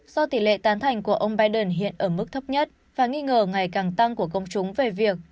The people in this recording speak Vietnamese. do tỷ lệ tán thành của ông biden hiện ở mức thấp nhất và nghi ngờ ngày càng tăng của công chúng về việc